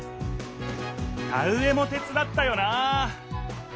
田うえも手つだったよなあ。